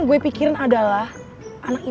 lo record gak sih tadi